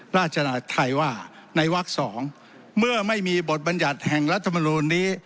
ราชนาธัยว่าในวัก๒เมื่อไม่มีบทบัญญัติแห่งรัฐมนูลนี้